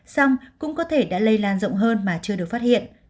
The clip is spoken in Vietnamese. xong cũng có thể đã lây lan rộng hơn mà chưa được phát hiện